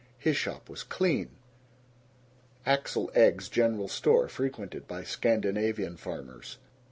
His shop was clean! Axel Egge's General Store, frequented by Scandinavian farmers.